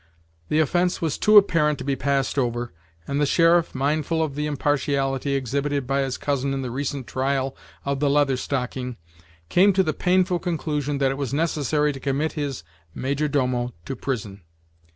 The offence was too apparent to be passed over, and the sheriff, mindful of the impartiality exhibited by his cousin in the recent trial of the Leather Stocking, came to the painful conclusion that it was necessary to commit his major domo to prison.